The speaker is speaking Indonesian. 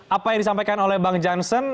apa yang disampaikan oleh bang jansen